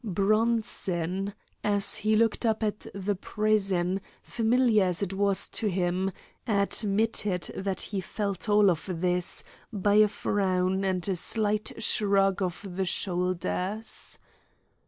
Bronson, as he looked up at the prison, familiar as it was to him, admitted that he felt all this, by a frown and a slight shrug of the shoulders.